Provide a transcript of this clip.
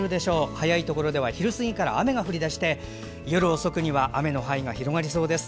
早いところでは昼過ぎから雨が降り出して夜遅くには雨の範囲が広がりそうです。